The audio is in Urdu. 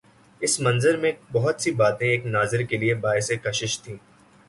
اس منظر میں بہت سی باتیں ایک ناظر کے لیے باعث کشش تھیں۔